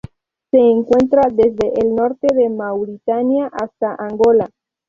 Se encuentra desde el norte de Mauritania hasta Angola.